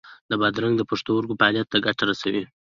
د بادرنګ د پښتورګو فعالیت ته ګټه رسوي.